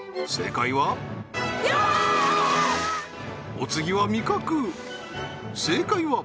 お次は味覚正解は？